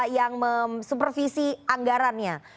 yang mem supervisi anggarannya